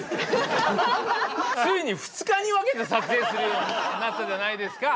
ついに２日に分けて撮影するようになったじゃないですか。